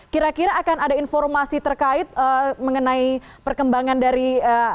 kira kira akan ada informasi terkait mengenai perkembangan dari